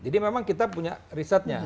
jadi memang kita punya risetnya